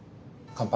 乾杯。